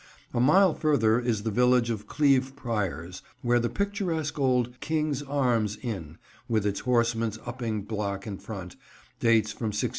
A mile further is the village of Cleeve Priors, where the picturesque old "King's Arms" inn, with its horseman's upping block in front, dates from 1691.